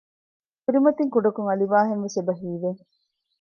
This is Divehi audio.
ކުރިމަތިން ކުޑަކޮށް އަލިވާހެންވެސް އެބަ ހީވެ